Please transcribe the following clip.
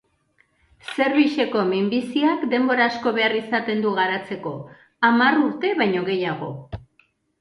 Zerbixeko minbiziak denbora asko behar izaten du garatzeko, hamar urte baino gehiago.